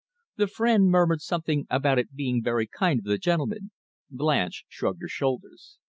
The friend murmured something about it being very kind of the gentleman. Blanche shrugged her shoulders.